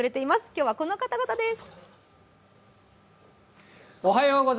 今日はこの方々です。